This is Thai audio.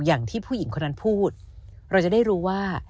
อย่างที่ผู้หญิงคนนั้นพูดเราจะได้รู้ว่า